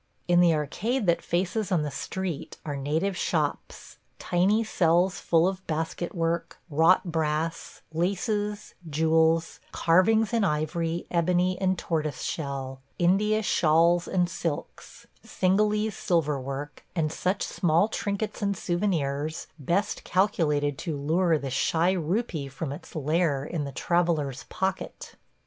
... In the arcade that faces on the street are native shops – tiny cells full of basket work, wrought brass, laces, jewels; carvings in ivory, ebony, and tortoise shell; India shawls and silks, Cingalese silver work, and such small trinkets and souvenirs best calculated to lure the shy rupee from its lair in the traveller's pocket.